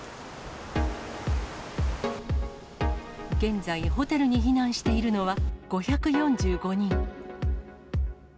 現在、ホテルに避難しているのは５４５人。